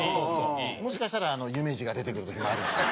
もしかしたらゆめじが出てくる時もあるし。